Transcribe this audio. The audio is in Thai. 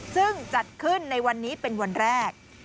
ซึ่งจัดขึ้นในวันนี้เป็นวันแรก